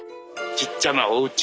ちっちゃなおうち。